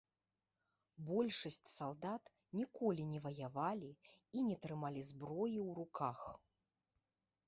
Большасць салдат ніколі не ваявалі і не трымалі зброі ў руках.